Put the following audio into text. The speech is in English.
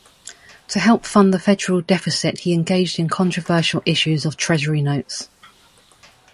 To help fund the federal deficit he engaged in controversial issues of Treasury Notes.